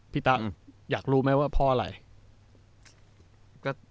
ตังค์อยากรู้ไหมว่าเพราะอะไร